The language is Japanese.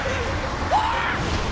うわあっ！